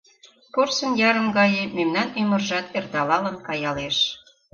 Порсын ярым гае мемнан ӱмыржат эрталалын каялеш.